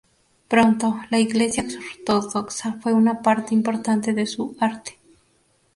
Pronto la Iglesia ortodoxa fue una parte importante de su arte.